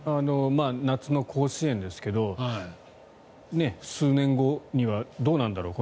夏の甲子園ですけど数年後にはどうなんだろう